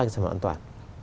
cái sản phẩm an toàn